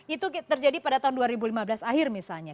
itu terjadi pada tahun dua ribu lima belas akhir misalnya